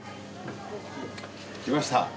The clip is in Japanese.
きました。